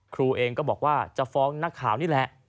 ครูเองก็บอกว่าจะฟ้องนักข่าวนี่แหละ